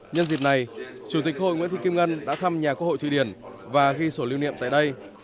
nhân dịp này chủ tịch hội nguyễn thị kim ngân đã thăm nhà quốc hội thụy điển và ghi sổ lưu niệm tại đây